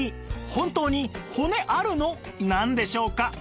本当に「骨あるの？」なんでしょうか